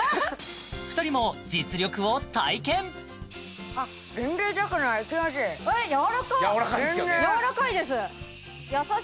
２人も実力をやわらかいんですよね